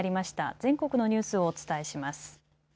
全国のニュースをお伝えします。